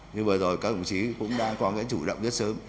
như vừa rồi các bộ xây dựng cũng đang có cái chủ động rất sớm